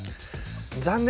残念！